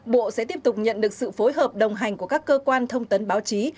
bộ sẽ tiếp tục nhận được sự phối hợp đồng hành của các cơ quan thông tấn báo chí